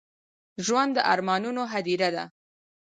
ژوند د ارمانونو هديره ده.